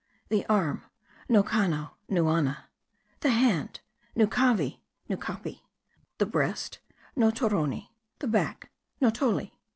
The arm : Nocano : Nuana. The hand : Nucavi : Nucapi. The breast : Notoroni. The back : Notoli.